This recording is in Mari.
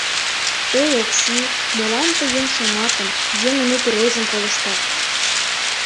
Эй, Окси, молан тый еҥ шомакым, еҥын утыр ойжым колыштат?..